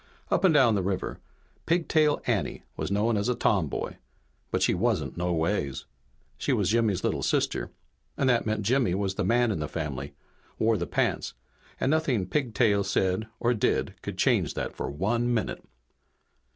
Up and down the river Pigtail Anne was known as a tomboy, but she wasn't no ways. She was Jimmy's little sister. That meant Jimmy was the man in the family, and wore the pants, and nothing Pigtail said or did could change that for one minute.